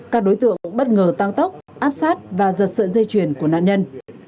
các đối tượng bất ngờ tăng tốc áp sát và giật sợi dây chuyền của nạn nhân